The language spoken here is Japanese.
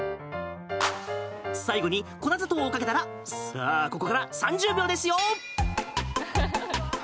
最後に粉砂糖をかけたらさあ、ここから３０秒ですよ！